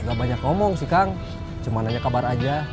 gak banyak ngomong sih kang cuma nanya kabar aja